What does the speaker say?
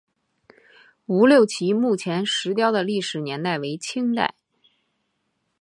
吴六奇墓前石雕的历史年代为清代。